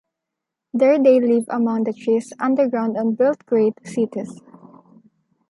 There they lived among the trees underground and built great cities.